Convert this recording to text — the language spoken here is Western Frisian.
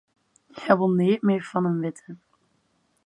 Hja wol neat mear fan him witte.